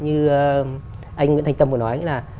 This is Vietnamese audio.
như anh nguyễn thành tâm vừa nói